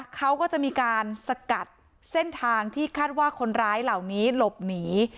เขาก็จะมีการสกัดเส้นทางที่คาดว่าคนร้ายเหล่านี้หลบหนี